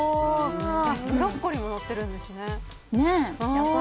ブロッコリーものってるんですね。